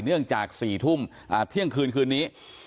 เนื่องจาก๔ทุ่มเที่ยงคืนคืนนี้